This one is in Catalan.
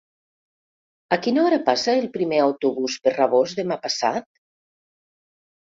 A quina hora passa el primer autobús per Rabós demà passat?